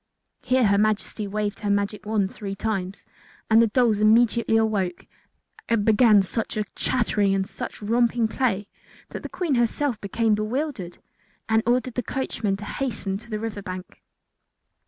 Here her Majesty waved the magic wand three times, and the dolls immediately awoke and began such a chattering and such romping play that the Queen herself became bewildered and ordered the coachman to hasten to the river bank.